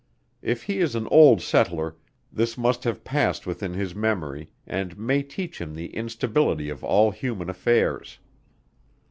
If he is an old settler, this must have past within his memory, and may teach him the instability of all human affairs.